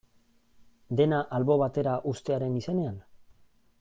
Dena albo batera uztearen izenean?